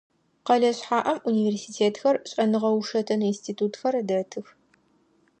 Къэлэ шъхьаӏэм университетхэр, шӏэныгъэ-ушэтын институтхэр дэтых.